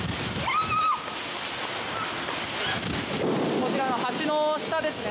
こちら、橋の下ですね。